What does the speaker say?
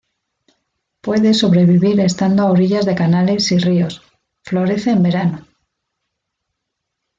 Puede sobrevivir estando a orillas de canales y ríos, florece en verano.